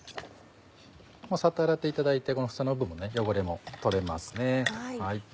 もうサッと洗っていただいてこの房の部分汚れも取れます。